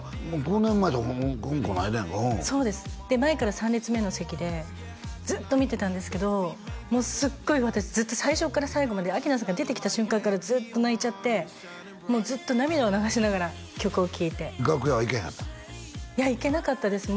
あっ５年前こないだやんかそうですで前から３列目の席でずっと見てたんですけどもうすっごい私ずっと最初から最後まで明菜さんが出てきた瞬間からずっと泣いちゃってもうずっと涙を流しながら曲を聴いて楽屋は行けへんかったの？